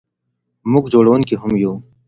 موږ جوړونکي هم یو.